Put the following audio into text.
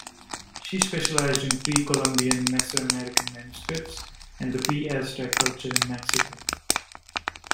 She specialised in pre-Columbian Mesoamerican manuscripts and the pre-Aztec culture in Mexico.